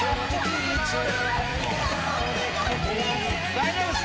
大丈夫っすか？